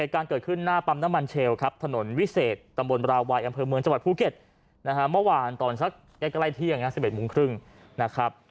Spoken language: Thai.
ใกล้แค่ใกล้เที่ยง๑๗๓๐นนะครับ